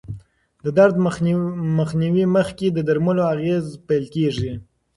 د درد مخنیوي مخکې د درملو اغېزه پېل کېږي.